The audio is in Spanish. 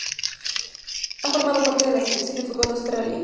Ha formado parte de la selección de fútbol de Australia.